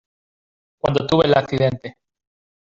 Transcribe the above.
cuando tuve el accidente.